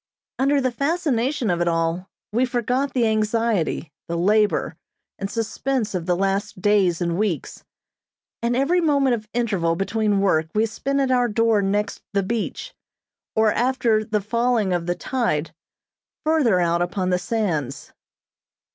Under the fascination of it all we forgot the anxiety, the labor, and suspense of the last days and weeks, and every moment of interval between work we spent at our door next the beach, or after the falling of the tide, further out upon the sands.